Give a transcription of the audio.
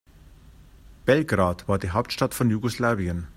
Belgrad war die Hauptstadt von Jugoslawien.